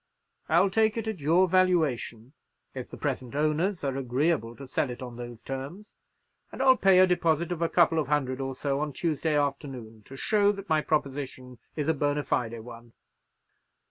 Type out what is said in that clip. I'll take it at your valuation, if the present owners are agreeable to sell it on those terms, and I'll pay a deposit of a couple of hundred or so on Tuesday afternoon, to show that my proposition is a bona fide one."